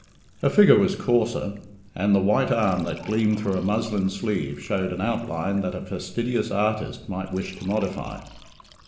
Her figure was coarser, and the white arm that gleamed through a muslin sleeve showed an outline that a fastidious artist might wish to modify.